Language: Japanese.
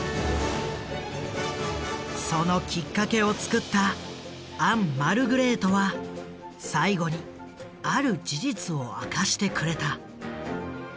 そのきっかけを作ったアン・マルグレートは最後にある事実を明かしてくれた。